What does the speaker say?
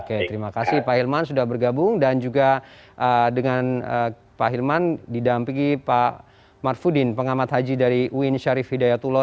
oke terima kasih pak hilman sudah bergabung dan juga dengan pak hilman didampingi pak marfudin pengamat haji dari uin syarif hidayatullah